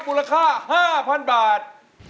มูลค่า๕๐๐๐บาท